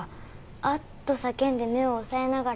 「あっと叫んで目を押さえながら」